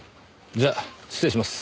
じゃあ失礼します。